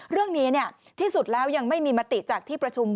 เรื่องนี้ที่สุดแล้วยังไม่มีมติจากที่ประชุม